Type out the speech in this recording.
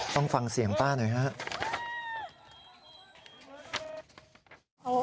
ต้องฟังเสียงป้าหน่อยครับ